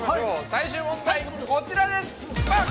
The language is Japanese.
最終問題、こちらです！